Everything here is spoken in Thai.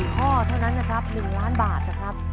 ๔ข้อเท่านั้นนะครับ๑๐๐๐๐๐๐บาทนะครับ